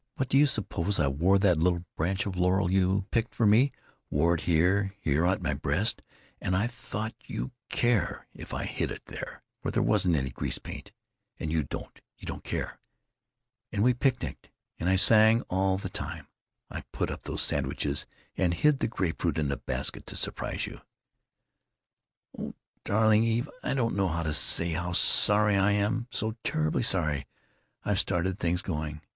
What do you suppose I wore that little branch of laurel you picked for me, wore it here, here, at my breast, and I thought you'd care if I hid it here where there wasn't any grease paint, and you don't—you don't care—and we picnicked, and I sang all the time I put up those sandwiches and hid the grape fruit in the basket to surprise you——" "O darling Eve, I don't know how to say how sorry I am, so terribly sorry I've started things going!